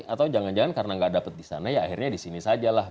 atau jangan jangan karena nggak dapet disana ya akhirnya disini saja lah